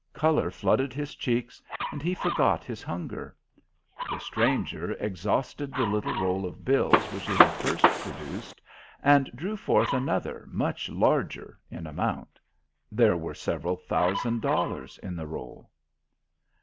Colour flooded his cheeks, and he forgot his hunger. The stranger exhausted the little roll of bills which he had first produced and drew forth another, much larger in amount. There were several thousand dollars in the roll.